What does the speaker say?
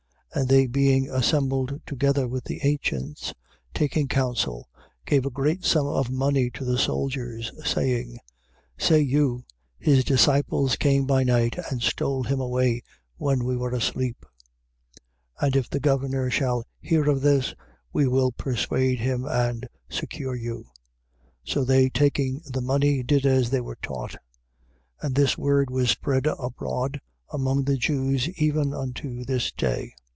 28:12. And they being assembled together with the ancients, taking counsel, gave a great sum of money to the soldiers, 28:13. Saying: Say you, His disciples came by night and stole him away when we were asleep. 28:14. And if the governor shall hear of this, we will persuade him and secure you. 28:15. So they taking the money, did as they were taught: and this word was spread abroad among the Jews even unto this day.